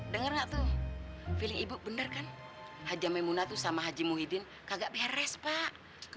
denger nggak tuh feeling ibu bener kan haji hamil munah sama haji muhyiddin kagak beres pak